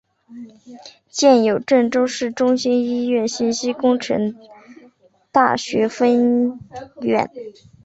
建有郑州市中心医院信息工程大学分院。